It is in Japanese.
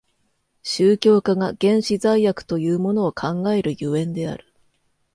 宗教家が原始罪悪というものを考える所以である。